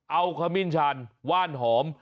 เอาขมิ้นชันว่านหอม